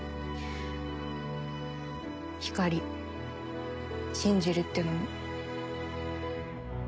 光信じるってのも。